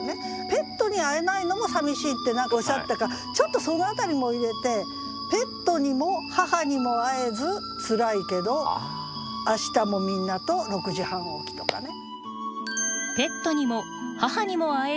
ペットに会えないのもさみしいって何かおっしゃってたからちょっとその辺りも入れて「ペットにも母にも会えずつらいけど明日もみんなと六時半起き」とかね。